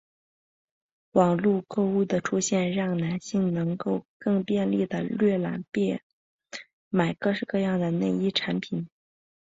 网路购物的出现让男性能够更便利地浏览并购买各式各样的内衣商品。